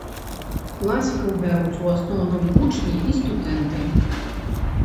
Класікаў бяруць у асноўным вучні і студэнты.